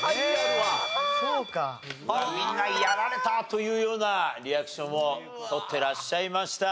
みんなやられた！というようなリアクションを取ってらっしゃいました。